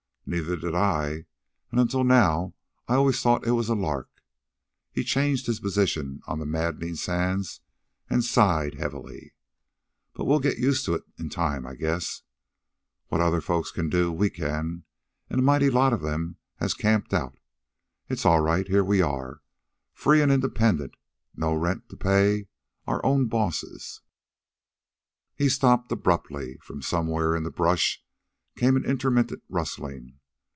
"Neither did I. An' until now I always thought it was a lark." He changed his position on the maddening sand and sighed heavily. "But we'll get used to it in time, I guess. What other folks can do, we can, an' a mighty lot of 'em has camped out. It's all right. Here we are, free an' independent, no rent to pay, our own bosses " He stopped abruptly. From somewhere in the brush came an intermittent rustling.